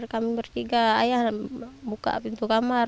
kami bertiga ayah buka pintu kamar